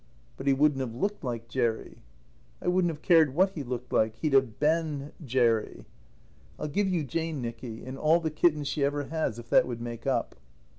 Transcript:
"But he wouldn't have looked like Jerry." "I wouldn't have cared what he looked like. He'd have been Jerry." "I'll give you Jane, Nicky, and all the kittens she ever has, if that would make up."